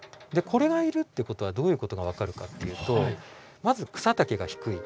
これがいるっていうことはどういうことが分かるかっていうとまず草丈が低い。